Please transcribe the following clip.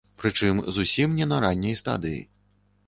Прычым, зусім не на ранняй стадыі.